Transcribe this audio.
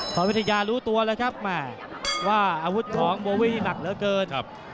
วิทยารู้ตัวแล้วครับแม่ว่าอาวุธของโบวี่หนักเหลือเกิน